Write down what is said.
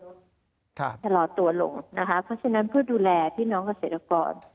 ชะลอตัวลงนะคะเพราะฉะนั้นเพื่อดูแลพี่น้องเกษตรกร